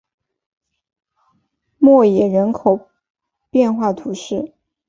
默耶人口变化图示